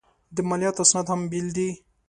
د مالیاتو اسناد هم بېل دي.